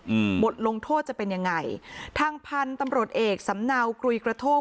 อืมบทลงโทษจะเป็นยังไงทางพันธุ์ตำรวจเอกสำเนากรุยกระโทก